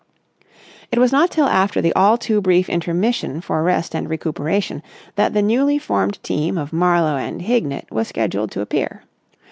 It was not till after the all too brief intermission for rest and recuperation that the newly formed team of Marlowe and Hignett was scheduled to appear.